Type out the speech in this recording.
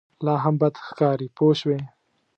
لا هم بد ښکاري پوه شوې!.